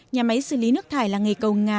nhà máy xử lý nước thải làng nghề cầu nga